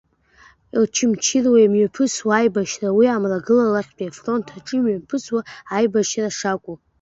Очамчыреи имҩаԥысуа аибашьра уи Амрагыларахьтәи афронт аҿы имҩаԥысуа аибашьра шакәу.